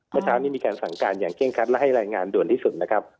ประสานนี้มีแค่สังการอย่างเคร่งคัดและให้รายงานด่วนที่สุดนะครับ